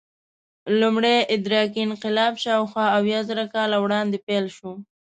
لومړی ادراکي انقلاب شاوخوا اویازره کاله وړاندې پیل شو.